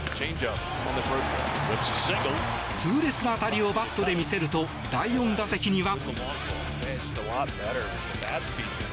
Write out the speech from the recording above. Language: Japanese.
痛烈な当たりをバットで見せると第４打席には。